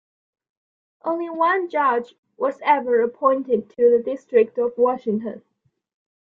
Only one judge was ever appointed to the District of Washington.